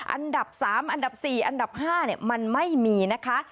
อันดับ๓อันดับ๔อันดับ๕มันไม่มีนะคะ